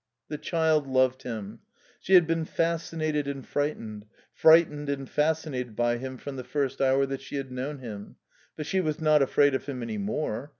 The child loved him. She had been fascinated and frightened, frightened and fascinated by him from the first hour that she had known him. But she was not afraid of him any more.